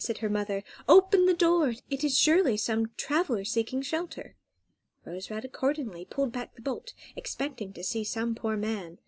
said her mother; "open the door; it is surely some traveller seeking shelter." Rose Red accordingly pulled back the bolt, expecting to see some poor man.